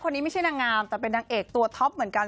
ไม่ใช่นางงามแต่เป็นนางเอกตัวท็อปเหมือนกัน